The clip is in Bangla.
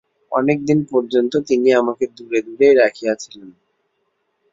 অনেক দিন পর্যন্ত তিনি আমাকে দূরে দূরেই রাখিয়াছিলেন।